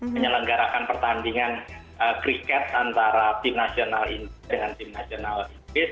menyelenggarakan pertandingan kriket antara tim nasional dengan tim nasional inggris